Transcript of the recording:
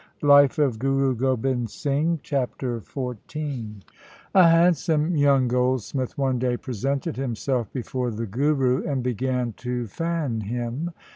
LIFE OF GURU GOBIND SINGH in Chapter XIV A handsome young goldsmith one day presented himself before the Guru and began to fan him.